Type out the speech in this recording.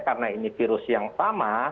karena ini virus yang sama